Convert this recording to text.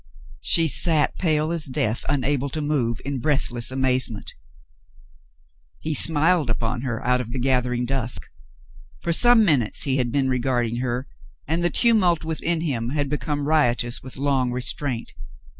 She sat pale as death, unable to move, in breathless amaze ment. 258 The Mountain Girl He smiled upon her out of the gathering dusk. For some minutes he had been regarding her, and the tumult within him had become riotous with long restraint.